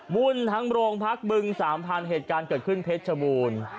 วุ่นทั้งโรงพักบึง๓๐๐เหตุการณ์เกิดขึ้นเพชรชบูรณ์